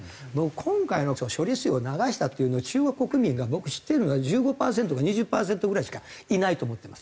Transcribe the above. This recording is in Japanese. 今回の処理水を流したというのを中国国民が知ってるのは１５パーセントか２０パーセントぐらいしかいないと思ってます。